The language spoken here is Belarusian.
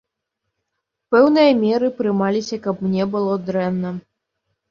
Пэўныя меры прымаліся, каб мне было дрэнна.